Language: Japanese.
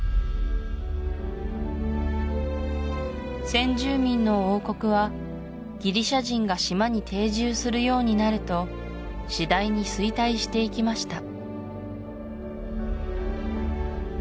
先住民の王国はギリシア人が島に定住するようになると次第に衰退していきました